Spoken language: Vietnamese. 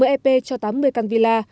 một mươi ep cho tám mươi căn villa